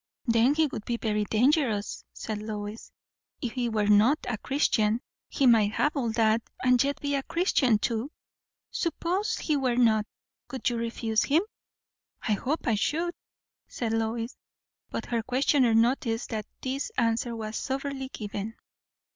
"Then he would be very dangerous," said Lois, "if he were not a Christian. He might have all that, and yet be a Christian too." "Suppose he were not; would you refuse him?" "I hope I should," said Lois. But her questioner noticed that this answer was soberly given.